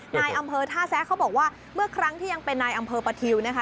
นายอำเภอท่าแซะเขาบอกว่าเมื่อครั้งที่ยังเป็นนายอำเภอประทิวนะคะ